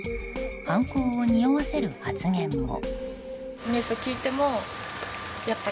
犯行をにおわせる発言も。